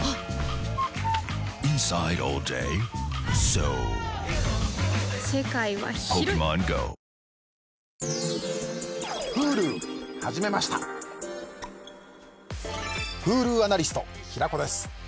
Ｈｕｌｕアナリスト平子です。